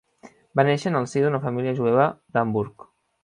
Va néixer en el si d'una família jueva d'Hamburg.